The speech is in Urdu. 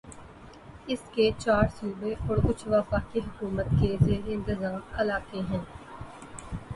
اس کے چار صوبے اور کچھ وفاقی حکومت کے زیر انتظام علاقے ہیں